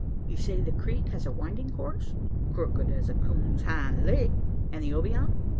You say the creek has a winding course?" "Crooked as a coon's hind leg." "And the Obion?"